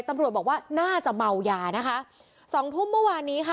ตำรวจบอกว่าน่าจะเมายานะคะสองทุ่มเมื่อวานนี้ค่ะ